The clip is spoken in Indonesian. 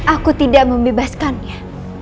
aku tidak membebaskannya